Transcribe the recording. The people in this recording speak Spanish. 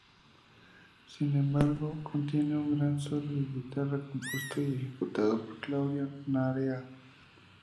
Sin embargo, contiene un gran solo de guitarra compuesto y ejecutado por Claudio Narea.